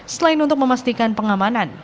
selain untuk memastikan pengamanan